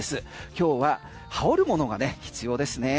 今日は羽織るものが必要です。